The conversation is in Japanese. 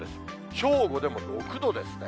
正午でも６度ですね。